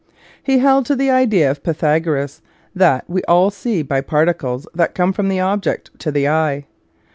He held to the idea of Pytha goras, that we all see by particles that come from the object to the eye.